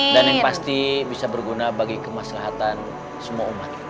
dan yang pasti bisa berguna bagi kemaslahatan semua umat